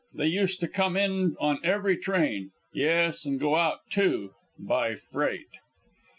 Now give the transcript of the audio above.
They used to come in on every train; yes, and go out, too by freight.